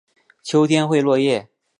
秋天会落叶。